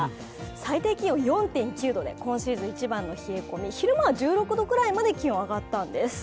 最低気温４．９度で今シーズン一番の冷え込み昼間は１６度くらいまで気温上がったんです。